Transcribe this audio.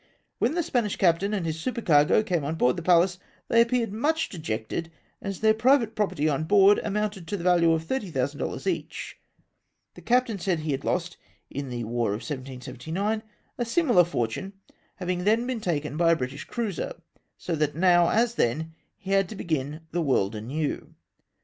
When the Spanish captain and his supercargo came on board the Pallas, they appeared much dejected, as their private property on board amounted to the value of 30,000 dollars each. The captain said he had lost, in the war of 1779, a similar for 176 CAPTURE OF PAPAL BULLS. tune, having then been taken by a British cruiser, so that now, as then, he had to begin the world again.